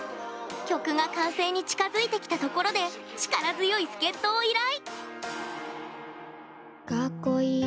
曲が完成に近づいてきたところで力強い助っ人を依頼！